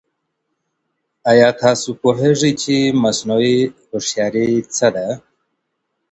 ایا تاسو پوهېږئ چې مصنوعي هوښياري څه ده؟